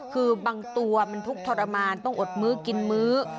คือบางตัวมันทุกข์ทรมานต้องอดมื้อกินมื้อ